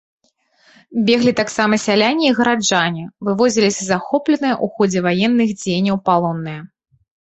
Беглі таксама сяляне і гараджане, вывозіліся захопленыя ў ходзе ваенных дзеянняў палонныя.